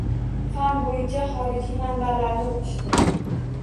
Fan boʻyicha xorijiy manbalarni oʻqishdi